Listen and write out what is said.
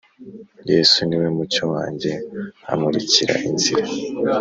Yesu niwe mucyo wanjye amurikira inzira